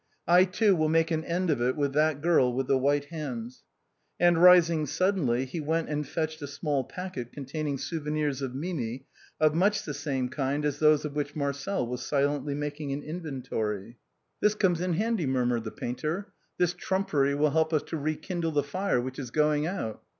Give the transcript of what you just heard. I too will make an end of it with that girl with the white hands." And, rising suddenly, he went and fetched a small packet containing souvenirs of Mimi of much the same kind as those of which Marcel was silently making au inventory. 322 THE BOHEMIANS OF THE LATIN QUARTER. " This comes in handy," murmured the painter. " This trumpery will help us to rekindle the fire which is going out."